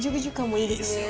いいですよね、